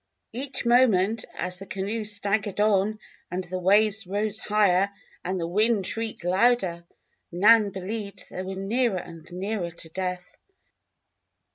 Each moment, as the canoe staggered on and the waves rose higher and the wind shrieked louder, Nan believed that they were nearer and nearer to death.